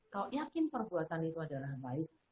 kau yakin perbuatan itu adalah baik